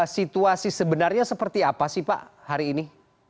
situasi sebenarnya seperti apa sih pak hari ini